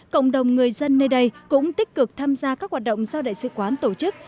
cộng đồng người dân nơi đây cũng tích cực tham gia các hoạt động do đại sứ quán tổ chức